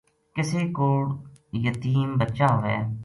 کِسے کوڑ یتیم بچا ہوے